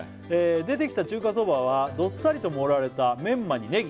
「出てきた中華そばはどっさりと盛られたメンマにネギ」